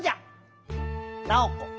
ナオコ。